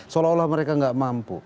seolah olah mereka nggak mampu